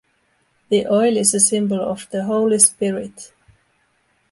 The oil is a symbol of the Holy Spirit.